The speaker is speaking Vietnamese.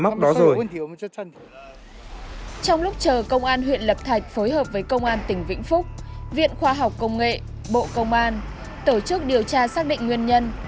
trong lúc chờ công an huyện lập thạch phối hợp với công an tỉnh vĩnh phúc viện khoa học công nghệ bộ công an tổ chức điều tra xác định nguyên nhân